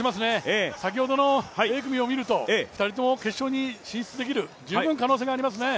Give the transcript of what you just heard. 先ほどのＡ組を見ると２人とも決勝進出できる十分、可能性がありますね。